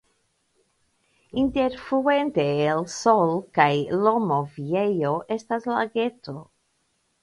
Inter Fuente el Sol kaj Lomoviejo estas lageto.